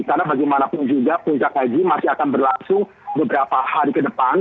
karena bagaimanapun juga puncak haji masih akan berlangsung beberapa hari ke depan